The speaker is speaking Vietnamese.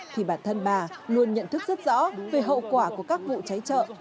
thì bản thân bà luôn nhận thức rất rõ về hậu quả của các vụ cháy chợ